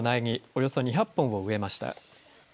およそ２００本を植えました。